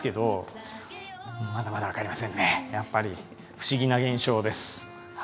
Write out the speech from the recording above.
不思議な現象ですはい。